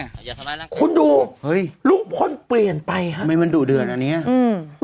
อย่าทำร้ายร่างคุณดูเฮ้ยลุงพลเปลี่ยนไปฮะทำไมมันดุเดือดอันเนี้ยอืม